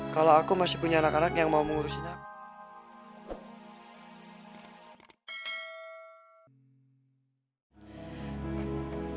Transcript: kalau aku masih punya anak anak yang mau mengurusin aku